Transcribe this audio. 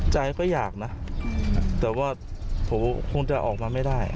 ใจก็อยากนะแต่ว่าผมคงจะออกมาไม่ได้